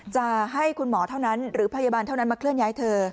จะให้คุณหมอเท่านั้นหรือพยาบาลเท่านั้นมาเคลื่อนย้ายเธอ